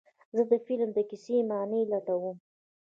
زه د فلم د کیسې معنی لټوم.